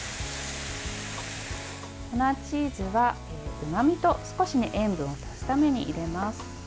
粉チーズはうまみと少し塩分を足すために加えます。